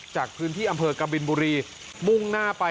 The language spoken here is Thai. จากพื้นที่อำเภอกบินบุรีมุ่งหน้าไป